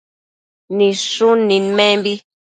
Nidshun nidmenbi